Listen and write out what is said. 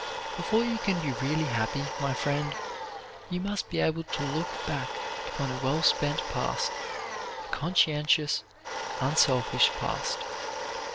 Before you can be really happy, my friend, you must be able to look back upon a well spent past, a conscientious, unselfish past.